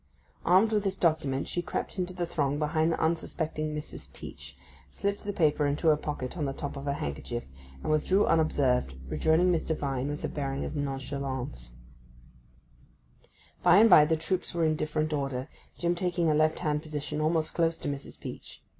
Armed with this document she crept into the throng behind the unsuspecting Mrs. Peach, slipped the paper into her pocket on the top of her handkerchief; and withdrew unobserved, rejoining Mr. Vine with a bearing of nonchalance. By and by the troops were in different order, Jim taking a left hand position almost close to Mrs. Peach.